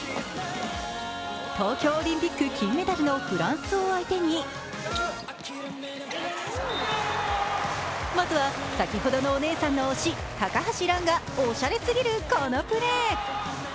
東京オリンピック・金メダルのフランスを相手にまずは先ほどのお姉さんの推し、高橋藍がおしゃれすぎる、このプレー。